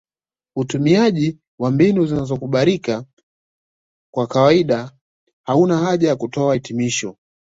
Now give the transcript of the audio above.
Utumiaji wa mbinu zinazokubalika kwa kawaida hauna haja ya kutoa hitimisho